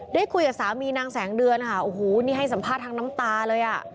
ได้คุยกับสามีนางแสงเดือนค่ะโอ้โหนี่ให้สัมภาษณ์ทางน้ำตาเลยอ่ะ